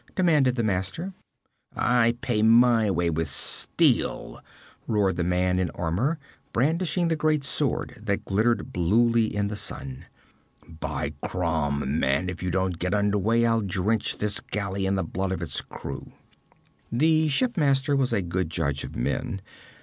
demanded the master. 'I pay my way with steel!' roared the man in armor, brandishing the great sword that glittered bluely in the sun. 'By Crom, man, if you don't get under way, I'll drench this galley in the blood of its crew!' The shipmaster was a good judge of men.